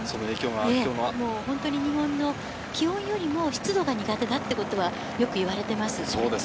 日本の気温よりも湿度が苦手だということがよく言われていますね。